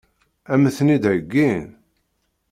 Ad m-ten-id-heggin?